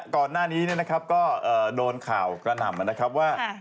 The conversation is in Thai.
ก่อนหน้านี้นะครับก็โดนข่าวกระหน่ำนะครับว่า